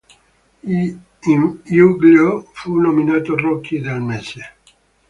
In luglio fu nominato rookie del mese.